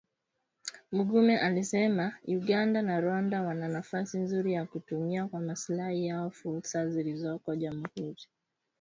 Mugume alisema Uganda na Rwanda wana nafasi nzuri ya kutumia kwa maslahi yao fursa zilizoko Jamhuri ya Kidemokrasia ya Kongo.